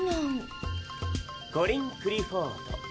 コリン・クリフォード。